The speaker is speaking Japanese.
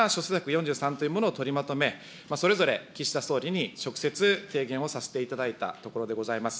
４３というものを取りまとめ、それぞれ岸田総理に直接、提言をさせていただいたところでございます。